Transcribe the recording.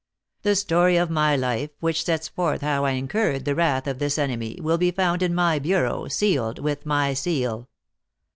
The story of my life, which sets forth how I incurred the wrath of this enemy, will be found in my bureau, sealed with my seal.